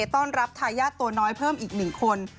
ต้อนรับทายาทตัวน้อยเพิ่มอีก๑คน